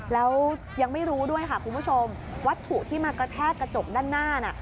แล้วยังไม่รู้ด้วยค่ะคุณผู้ชมวัตถุที่มากระแทกกระจกด้านหน้าน่ะ